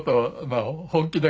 あ本気で？